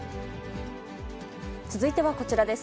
続いてはこちらです。